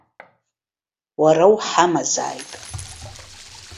Уара уҳамазааит!